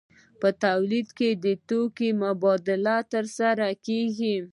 په تولید کې د توکو مبادله ترسره کیږي.